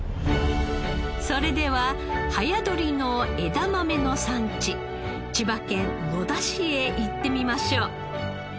それでは早採りの枝豆の産地千葉県野田市へ行ってみましょう。